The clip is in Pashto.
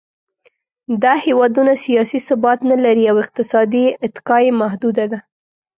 دا هېوادونه سیاسي ثبات نهلري او اقتصادي اتکا یې محدوده ده.